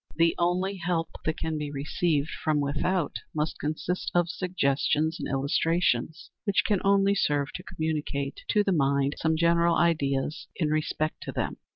The only help that can be received from without must consist of suggestions and illustrations, which can only serve to communicate to the mind some general ideas in respect to them.